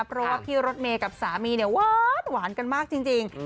เพราะว่าพี่รถเมย์กับสามีเนี่ยหวานกันมากจริง